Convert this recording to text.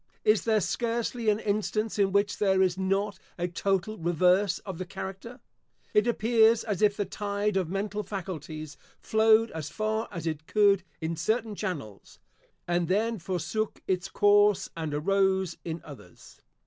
Is there scarcely an instance in which there is not a total reverse of the character? It appears as if the tide of mental faculties flowed as far as it could in certain channels, and then forsook its course, and arose in others.